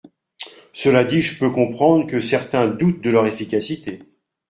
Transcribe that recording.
Cela dit, je peux comprendre que certains doutent de leur efficacité.